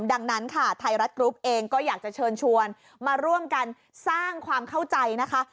ดังนั้นค่ะไทยรัฐกรุ๊ปเองก็อยากจะเชิญชวนมาร่วมกันสร้างความเข้าใจนะคะ